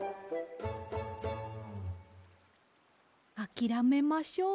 あきらめましょう。